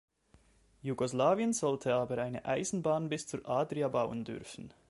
Jugoslawien sollte aber eine Eisenbahn bis zur Adria bauen dürfen.